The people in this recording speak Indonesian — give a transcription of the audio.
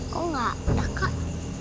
kok gak ada kak